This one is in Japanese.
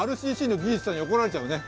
ＲＣＣの技術さんに怒られちゃうね。